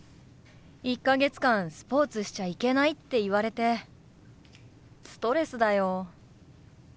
１か月間スポーツしちゃいけないって言われてストレスだよ。